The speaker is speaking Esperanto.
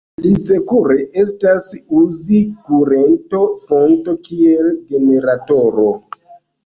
Pli sekure estas uzi kurento-fonto kiel generatoro.